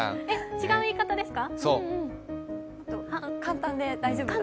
違う言い方ですか？